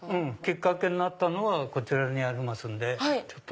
きっかけになったのはこちらにありますんで。